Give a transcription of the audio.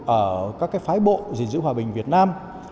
ở các phái bộ dình dữ hòa bình việt nam